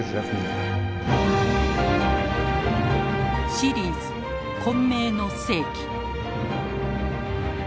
シリーズ「混迷の世紀」。